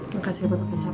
makasih buat ngecap